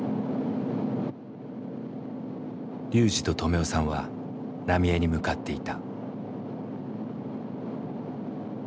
ＲＹＵＪＩと止男さんは浪江に向かっていた。